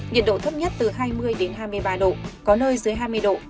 nhiệt độ thấp nhất từ hai mươi đến hai mươi ba độ có nơi dưới hai mươi độ